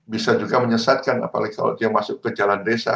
bisa juga menyesatkan apalagi kalau dia masuk ke jalan desa